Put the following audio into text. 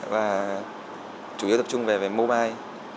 và chủ yếu tập trung về mobile